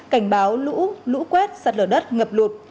cảnh báo lũ lũ quét sạt lở đất ngập lụt